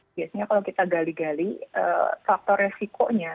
biasanya kalau kita gali gali faktor resikonya